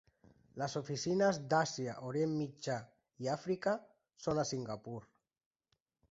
Les oficines d'Àsia, Orient Mitjà i Àfrica són a Singapur.